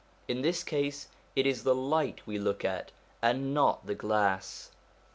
In this case it is the light we look at, and not the glass.